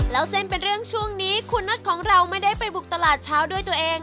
แล้วเส้นเป็นเรื่องช่วงนี้คุณน็อตของเราไม่ได้ไปบุกตลาดเช้าด้วยตัวเอง